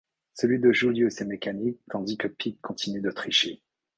Celui de Julius est mécanique tandis que Pete continue de tricher.